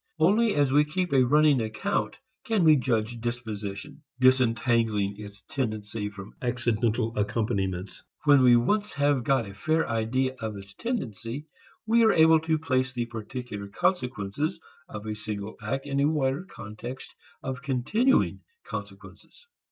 Only as we keep a running account, can we judge disposition, disentangling its tendency from accidental accompaniments. When once we have got a fair idea of its tendency, we are able to place the particular consequences of a single act in a wider context of continuing consequences.